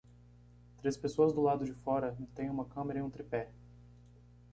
Três pessoas do lado de fora tem uma câmera em um tripé.